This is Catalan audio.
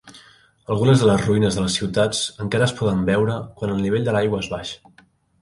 Algunes de les ruïnes de les ciutats encara es poden veure quan el nivell de l'aigua és baix.